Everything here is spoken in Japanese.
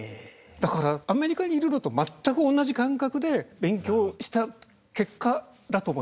だからアメリカにいるのと全く同じ感覚で勉強した結果だと思いますよ。